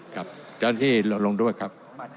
ครับเจ้าหน้าที่ลดลงด้วยครับ